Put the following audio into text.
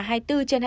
hay ở trong nhà